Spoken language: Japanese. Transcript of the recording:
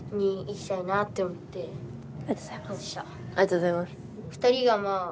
ありがとうございます。